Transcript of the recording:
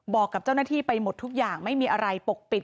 บอกกับเจ้าหน้าที่ไปหมดทุกอย่างไม่มีอะไรปกปิด